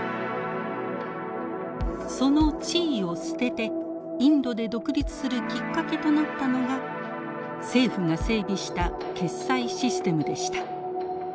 その地位を捨ててインドで独立するきっかけとなったのが政府が整備した決済システムでした。